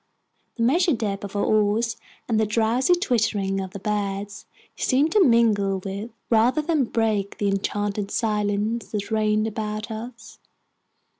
The measured dip of our oars and the drowsy twitterings of the birds seemed to mingle with, rather than break, the enchanted silence that reigned about us.